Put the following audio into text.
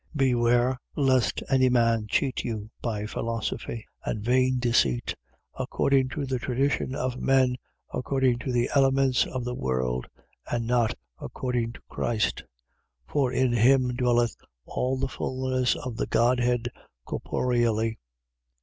2:8. Beware lest any man cheat you by philosophy and vain deceit: according to the tradition of men according to the elements of the world and not according to Christ. 2:9. For in him dwelleth all the fulness of the Godhead corporeally.